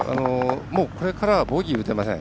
もう、これからはボギー打てません。